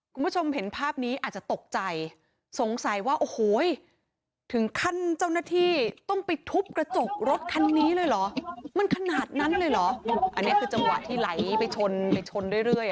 คุณผู้ชมเห็นภาพนี้อาจจะตกใจสงสัยว่าโอ้โหถึงขั้นเจ้าหน้าที่ต้องไปทุบกระจกรถคันนี้เลยเหรอมันขนาดนั้นเลยเหรออันนี้คือจังหวะที่ไหลไปชนไปชนเรื่อย